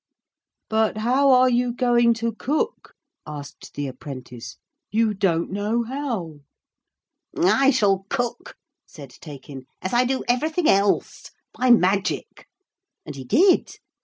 'But how are you going to cook?' asked the apprentice. 'You don't know how!' 'I shall cook,' said Taykin, 'as I do everything else by magic.' And he did.